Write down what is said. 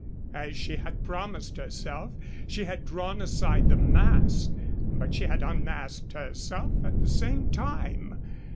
As she had promised herself, she had drawn aside the mask, but she had unmasked herself at the same time.